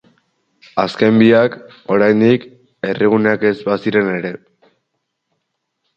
Azken biak, oraindik, herriguneak ez baziren ere.